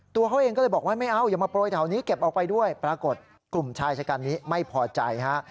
ตัวเขาเองก็เลยบอกว่าไม่เอาอย่ามาโปรยแถวนี้เก็บออกไปด้วยปรากฏกลุ่มชายชะกันนี้ไม่พอใจฮะ